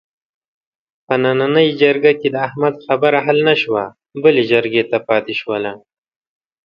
په نننۍ جرګه کې د احمد خبره حل نشوه، بلې جرګې ته پاتې شوله.